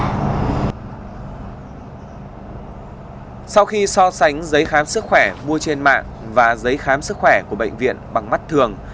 sau khi so sánh giấy khám sức khỏe mua trên mạng và giấy khám sức khỏe của bệnh viện bằng mắt thường